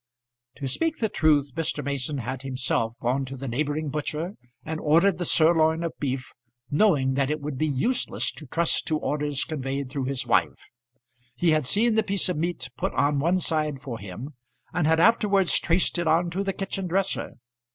To speak the truth Mr. Mason had himself gone to the neighbouring butcher, and ordered the surloin of beef, knowing that it would be useless to trust to orders conveyed through his wife. He had seen the piece of meat put on one side for him, and had afterwards traced it on to the kitchen dresser.